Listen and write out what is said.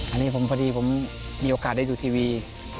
อันนี้พอดีผมมีโอกาสได้ดูทีวี